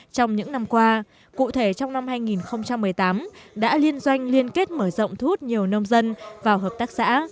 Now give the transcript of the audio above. trong những năm qua cụ thể trong năm hai nghìn một mươi tám đã liên doanh liên kết mở rộng thu hút nhiều nông dân vào hợp tác xã